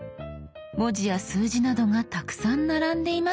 文字や数字などがたくさん並んでいますが。